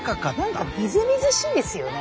何かみずみずしいですよね。